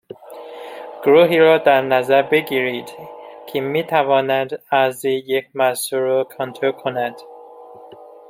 گروهی را در نظر بگیرید که می تواند عرضه یک محصول را کنترل کند